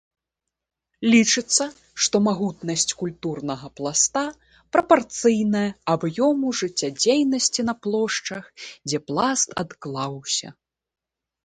Лічыцца, што магутнасць культурнага пласта прапарцыйная аб'ёму жыццядзейнасці на плошчах, дзе пласт адклаўся.